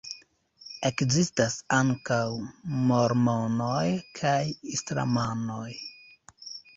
Ekzistas ankaŭ mormonoj kaj islamanoj.